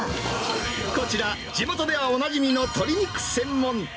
こちら、地元ではおなじみの鶏肉専門店。